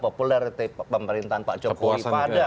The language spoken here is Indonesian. popularity pemerintahan pak jokowi